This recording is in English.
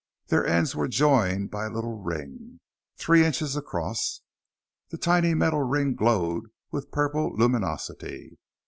Their ends were joined by a little ring, three inches across. The tiny metal ring glowed with purple luminosity.